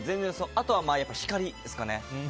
あとは、光ですかね。